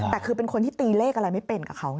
แต่คือเป็นคนที่ตีเลขอะไรไม่เป็นกับเขา